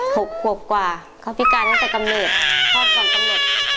หกขวบกว่าเขาพิการตั้งแต่กำเนิดคลอดก่อนกำหนด